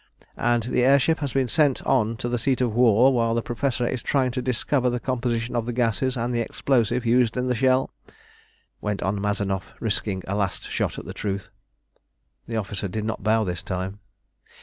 "And the air ship has been sent on to the seat of war, while the Professor is trying to discover the composition of the gases and the explosive used in the shell?" went on Mazanoff, risking a last shot at the truth. The officer did not bow this time.